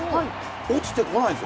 落ちてこないんです。